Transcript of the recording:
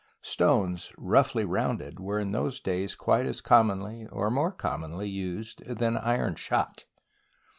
Stones, roughly rounded, were in those days quite as commonly, or more com monly used than iron shot.